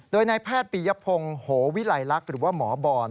โดยนายแพทย์ปียพงศ์โหวิลัยลักษณ์หรือว่าหมอบอล